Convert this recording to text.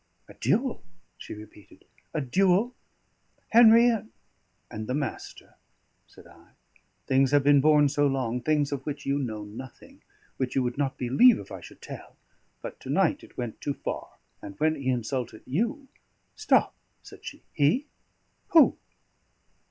"A duel?" she repeated. "A duel! Henry and " "And the Master," said I. "Things have been borne so long, things of which you know nothing, which you would not believe if I should tell. But to night it went too far, and when he insulted you " "Stop," said she. "He? Who?"